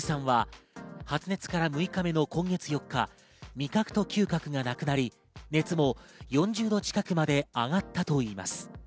Ａさんは発熱から６日目の今月４日、味覚と嗅覚がなくなり熱も４０度近くまで上がったといいます。